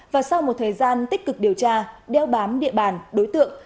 và sau một thời gian tích cực điều tra đeo bám địa bàn đối tượng